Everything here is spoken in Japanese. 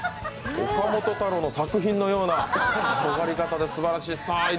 岡本太郎の作品のようなすばらしい。